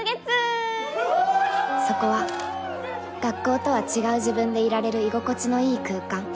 そこは学校とは違う自分でいられる居心地のいい空間